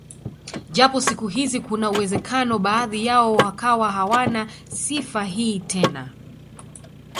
Japo siku hizi kuna uwezekano baadhi yao wakawa hawana sifa hii tena